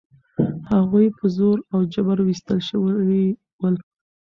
هغوی په زور او جبر ویستل شوي ول.